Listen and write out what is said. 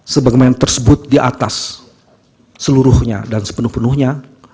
sebagaimana tersebut di atas seluruhnya dan sepenuh penuhnya